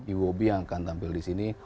iwobi yang akan tampil disini